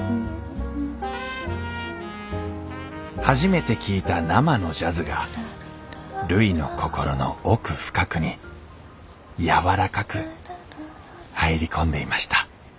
初めて聴いた生のジャズがるいの心の奥深くに柔らかく入り込んでいました